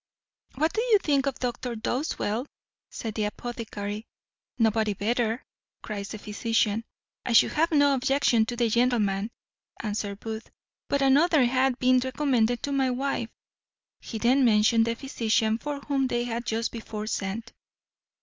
"What do you think of Dr Dosewell?" said the apothecary. "Nobody better," cries the physician. "I should have no objection to the gentleman," answered Booth, "but another hath been recommended to my wife." He then mentioned the physician for whom they had just before sent.